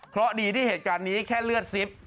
เพราะดีที่เหตุการณ์นี้แค่เลือดซิบ